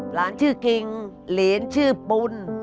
หลานชื่อกิงเหรนชื่อปุ่น